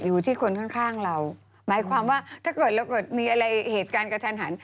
อยู่ที่คนข้างข้างเราหมายความว่าถ้าเกิดเราเกิดมีอะไรเหตุการณ์กระทันหัน